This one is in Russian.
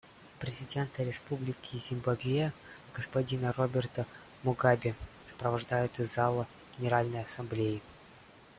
Президента Республики Зимбабве господина Роберта Мугабе сопровождают из зала Генеральной Ассамблеи.